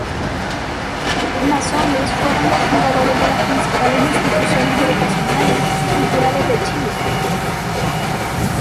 Masones fueron los fundadores de las principales instituciones educacionales y culturales de Chile.